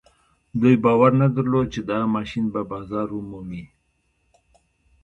دوی باور نه درلود چې دا ماشين به بازار ومومي.